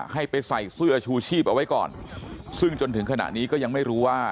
ให้ไปใส่เสื้อชูชีพเอาไว้ก่อนซึ่งจนถึงขณะนี้ก็ยังไม่รู้ว่า